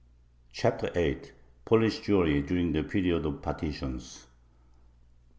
] CHAPTER VIII POLISH JEWRY DURING THE PERIOD OF THE PARTITIONS 1.